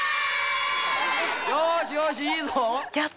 よしよしいいぞ！